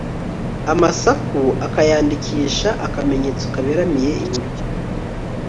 amasaku akayandikisha akamenyetso kaberamiye iburyo